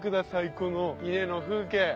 この伊根の風景。